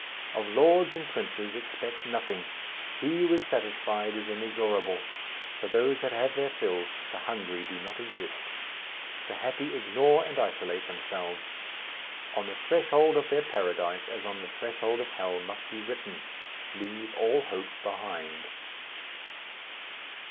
Of lords and princes expect nothing. He who is satisfied is inexorable. For those that have their fill the hungry do not exist. The happy ignore and isolate themselves. On the threshold of their paradise, as on the threshold of hell, must be written, "Leave all hope behind."